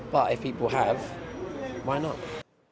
tapi jika ada kenapa tidak